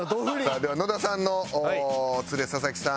では野田さんのツレ佐々木さん。